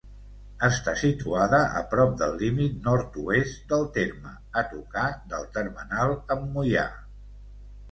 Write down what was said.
Està situada a prop del límit nord-oest del terme, a tocar del termenal amb Moià.